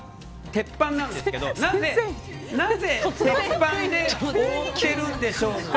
鉄板なんですけどなぜ、鉄板で覆っているんでしょうか。